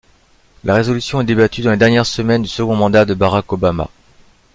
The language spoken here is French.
La résolution est débattue dans les dernières semaines du second mandat de Barack Obama.